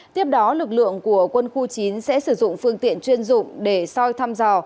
tiếp đó lực lượng của quân khu chín sẽ sử dụng phương tiện chuyên dụng để soi thăm dò